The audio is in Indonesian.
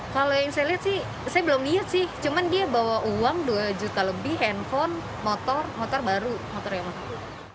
kalau yang saya lihat sih saya belum lihat sih cuman dia bawa uang dua juta lebih handphone motor motor baru motor yang masuk